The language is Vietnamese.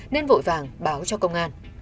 nên vội vàng báo cho công an